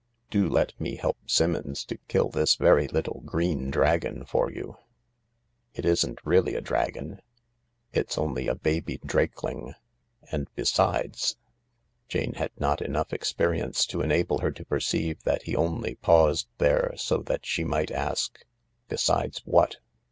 Do let me help Simmons to kill this very little green dragon for you 100 THE LARK it isn't really a dragon, it's only a baby drakeling. And besides ..." Jane had not enough experience to enable her to perceive that he only paused there so that she might ask, " Besides what